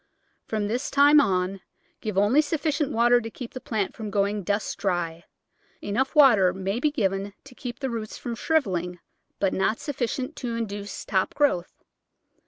From this time on give only sufficient water to keep the plant from going dust dry. Enough water may be given to keep the roots from shrivelling but not suf ficient to induce top growth.